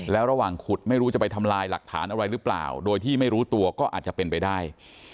แล้วระหว่างขุดไม่รู้จะไปทำลายหลักฐานอะไรหรือเปล่าโดยที่ไม่รู้ตัวก็อาจจะเป็นไปได้